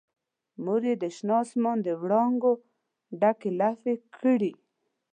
مور یې د شنه اسمان دوړانګو ډکې لپې کړي